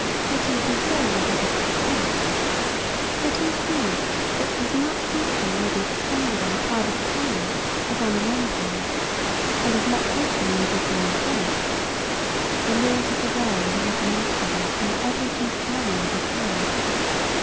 Let him control the habit of expense. Let him see that as much wisdom may be expended on a private economy as on an empire, and as much wisdom may be drawn from it. The laws of the world are written out for him on every piece of money in his hand.